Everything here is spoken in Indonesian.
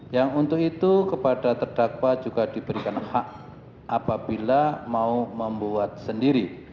yang untuk itu kepada terdakwa juga diberikan hak apabila mau membuat sendiri